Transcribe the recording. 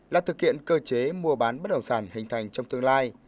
là thực hiện cơ chế mua bán bất động sản hình thành trong tương lai